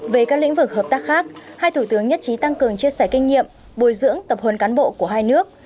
về các lĩnh vực hợp tác khác hai thủ tướng nhất trí tăng cường chia sẻ kinh nghiệm bồi dưỡng tập hồn cán bộ của hai nước